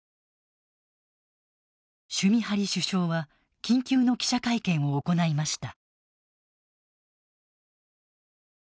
シュミハリ首相は緊急の記者会見を行いました。